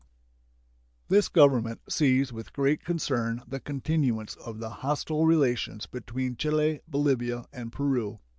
This Government sees with great concern the continuance of the hostile relations between Chile, Bolivia, and Peru.